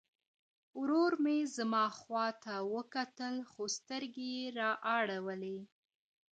ورور مې زما خواته وکتل خو سترګې یې را اړولې.